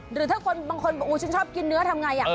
หรือถ้าคนบางคนบอกฉันชอบกินเนื้อทำไง